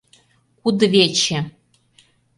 Кудывече.